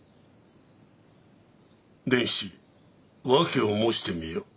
伝七訳を申してみよ。